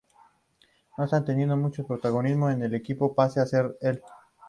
No está teniendo mucho protagonismo en el equipo, pese a ser el.